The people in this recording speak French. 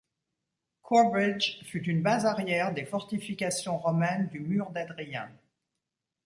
Corbridge fut une base arrière des fortifications romaines du mur d'Hadrien.